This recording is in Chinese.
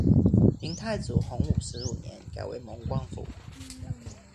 明太祖洪武十五年改为蒙光府。